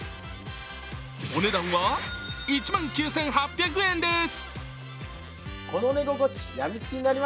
お値段は１万９８００円です。